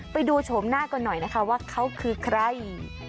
โฉมหน้าก่อนหน่อยนะคะว่าเขาคือใคร